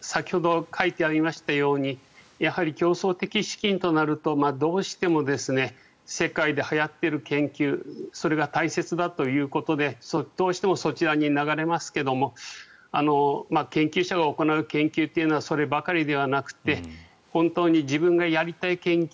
先ほど書いてありましたように競争的資金となるとどうしても世界ではやっている研究それが大切だということでどうしてもそちらに流れますが研究者が行う研究というのはそればかりではなくて本当に自分がやりたい研究